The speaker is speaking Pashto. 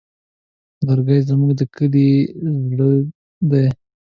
لرګی زموږ د کلي زړه دی.